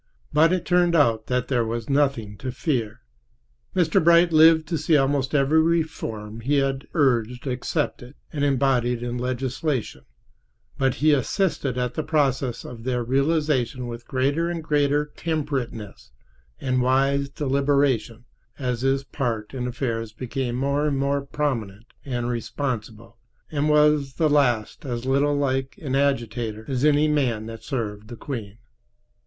But it turned out that there was nothing to fear. Mr. Bright lived to see almost every reform he had urged accepted and embodied in legislation; but he assisted at the process of their realization with greater and greater temperateness and wise deliberation as his part in affairs became more and more prominent and responsible, and was at the last as little like an agitator as any man that served the queen.